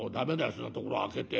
そんなところ開けて。